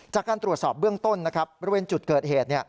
จากการตรวจสอบเบื้องต้นนะครับบริเวณจุดเกิดเหตุ